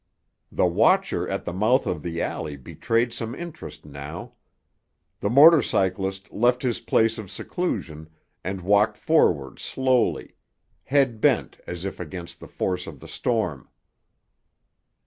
The watcher at the mouth of the alley betrayed some interest now. The motor cyclist left his place of seclusion and walked forward slowly, head bent as if against the force of the storm.